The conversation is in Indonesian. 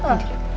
nanti buka aja